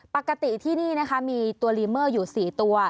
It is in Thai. ปกติที่นี่นะคะมีตัวลีเมอร์อยู่๔ตัว